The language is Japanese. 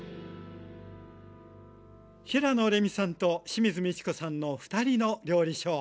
平野レミさんと清水ミチコさんの「ふたりの料理ショー」。